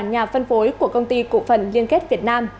nhà phân phối của công ty cổ phần liên kết việt nam